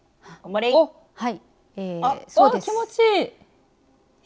あっ気持ちいい！